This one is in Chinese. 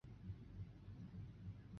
毕业于武汉大学中文专业。